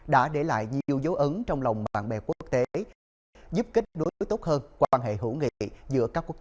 đã được tham gia